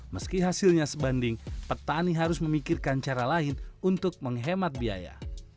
meski hasilnya sebanding petani harus memikirkan cara lain untuk menghemat biaya